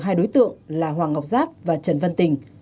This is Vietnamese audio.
hai đối tượng là hoàng ngọc giáp và trần văn tình